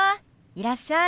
いらっしゃい。